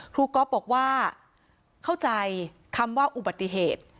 ก๊อฟบอกว่าเข้าใจคำว่าอุบัติเหตุ